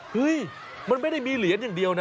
เฮ้ยมันไม่ได้มีเหรียญอย่างเดียวนะ